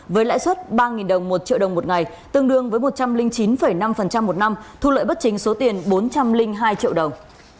với lãi suất ba đồng một triệu đồng một ngày tương đương với một trăm linh chín năm một năm thu lợi bất chính số tiền bốn trăm linh hai triệu đồng